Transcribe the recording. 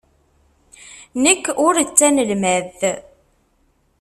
Nekk ur d tanelmadt.